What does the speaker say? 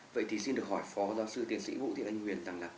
vậy thì xin được hỏi phó giáo sư tiến sĩ vũ thị thanh huyền rằng là